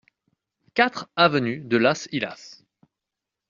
quatre avenue de Las Illas